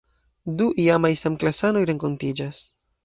Du iamaj samklasanoj renkontiĝas.